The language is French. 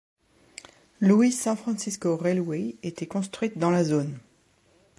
Louis-San Francisco Railway était construite dans la zone.